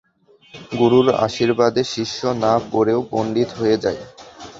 গুরুর আশীর্বাদে শিষ্য না পড়েও পণ্ডিত হয়ে যায়।